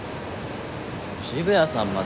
渋谷さんまで！